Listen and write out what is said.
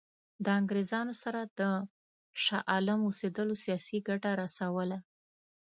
له انګرېزانو سره د شاه عالم اوسېدلو سیاسي ګټه رسوله.